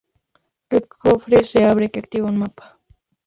El cofre se abre, que activa un mapa.